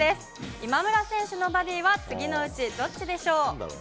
今村選手のバディは次のうちどっちでしょう。